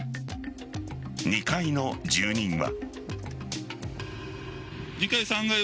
２階の住人は。